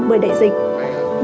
bởi đại dịch